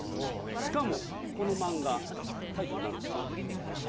しかもこの漫画タイトル何でしたっけ？